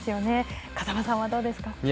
風間さんはどうですか？